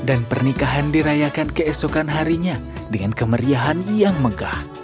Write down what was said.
dan pernikahan dirayakan keesokan harinya dengan kemeriahan yang megah